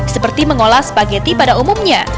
seperti mengolah spaghetti pada umumnya